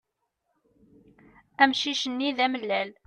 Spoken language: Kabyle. Amcic-nni d amellal.